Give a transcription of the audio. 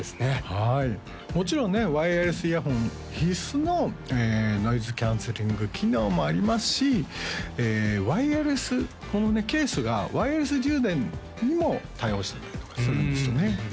はいもちろんねワイヤレスイヤホン必須のノイズキャンセリング機能もありますしワイヤレスこのねケースがワイヤレス充電にも対応してたりとかするんですよね